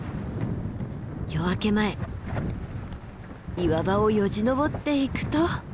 夜明け前岩場をよじ登っていくと。